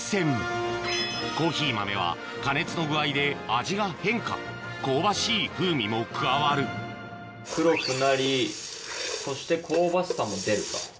コーヒー豆は加熱の具合で味が変化香ばしい風味も加わる黒くなりそして香ばしさも出ると。